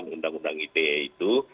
dua puluh sembilan undang undang ite itu